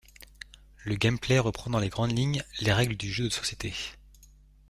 Le gameplay reprend dans les grandes lignes les règles du jeu de société.